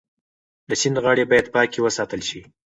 د سیند غاړې باید پاکې وساتل شي.